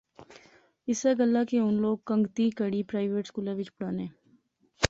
اس گلاہ کہ ہن لوک کنگتیں کڑئیں پرائیویٹ سکولیں وچ پڑھانے